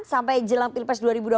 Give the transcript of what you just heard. sampai jelang pilpres dua ribu dua puluh